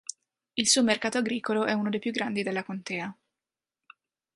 Il suo mercato agricolo è uno dei più grandi della contea.